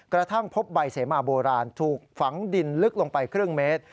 กระทั่งพบใบเสมาโบราณถูกฝังดินลึกลงไปครึ่งเมตร